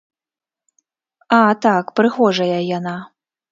А, так, прыгожая яна.